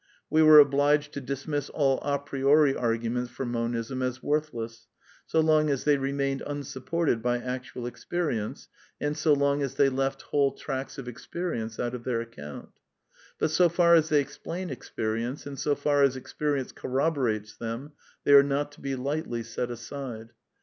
We were obliged to dismiss all a priori argu ments for Monism as worthless, so long as they remained unsupported by actual experience, and so long as they left whole tracts of experience out of their account. But so far as they explain experience, and so far as experience corroborates them, they are not to be lightly set aside.